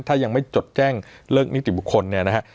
ถ้ายังไม่จดแจ้งเลิกนิติบุคคลเนี่ยนะฮะ